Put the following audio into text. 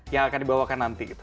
yang akan dibawakan nanti gitu